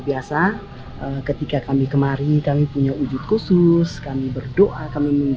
tersimpil yang emas doa dipanjatkan atau berjalan